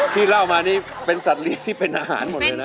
ที่เล่ามานี่เป็นสัตว์เลี้ยงที่เป็นอาหารหมดเลยนะ